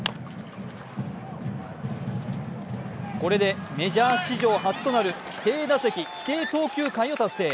これで、メジャー史上初となる規定打席、規定投球回を達成。